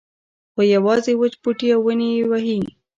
خو یوازې وچ بوټي او ونې یې وهي.